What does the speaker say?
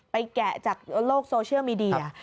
แกะจากโลกโซเชียลมีเดีย